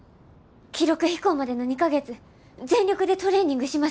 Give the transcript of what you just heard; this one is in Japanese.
記録飛行までの２か月全力でトレーニングします。